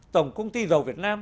tổng công ty dầu việt nam